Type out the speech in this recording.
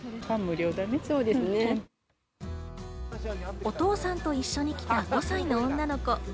お父さんと一緒に来た５歳の女の子。